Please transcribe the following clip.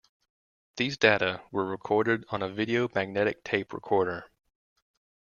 These data were recorded on a video magnetic tape recorder.